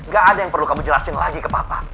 gak ada yang perlu kamu jelasin lagi ke papan